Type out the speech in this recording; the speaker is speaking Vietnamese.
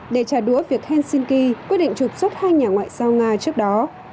để trả đũa việc helsinki quyết định trục xuất hai nhà ngoại giao nga trước đó